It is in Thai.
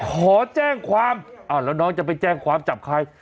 ขอแจ้งความแล้วน้องจะไปแจ้งความจับใคร